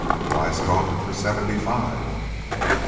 "Why is it offered for seventy five?"